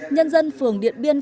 nhân dân phường điện biên